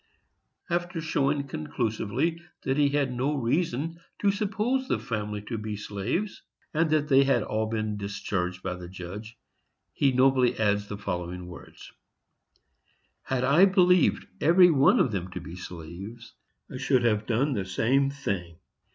After showing conclusively that he had no reason to suppose the family to be slaves, and that they had all been discharged by the judge, he nobly adds the following words: _Had I believed every one of them to be slaves, I should have done the same thing.